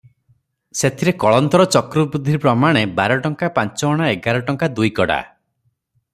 ସେଥିରେ କଳନ୍ତର ଚକ୍ରବୃଦ୍ଧି ପ୍ରମାଣେ ବାରଟଙ୍କା ପାଞ୍ଚଅଣା ଏଗାର ଟଙ୍କା ଦୁଇକଡ଼ା